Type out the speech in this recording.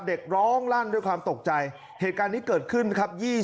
เด็กร้องลั่นด้วยความตกใจเหตุการณ์นี้เกิดขึ้นนะครับ